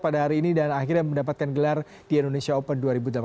pada hari ini dan akhirnya mendapatkan gelar di indonesia open dua ribu delapan belas